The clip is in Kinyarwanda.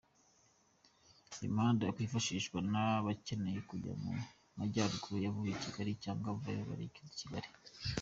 Imihanda yakwifashishwa n’ abakeneye kujya mu majyaruguru bavuye Kigali cyangwa abavayo berekeza I Kigali.